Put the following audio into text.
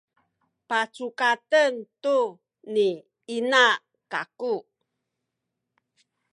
pacukaten tu ni ina kaku